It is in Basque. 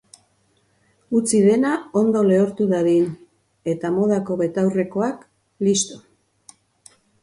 Utzi dena ondo lehortu dadin, eta modako betaurrekoak, listo!